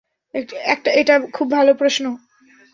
এটা খুব ভালো প্রশ্ন।